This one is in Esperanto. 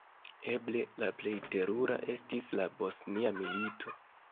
Eble la plej terura estis la Bosnia Milito.